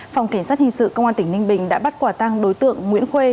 phòng cảnh sát hình sự công an tỉnh ninh bình đã bắt quả tăng đối tượng nguyễn khuê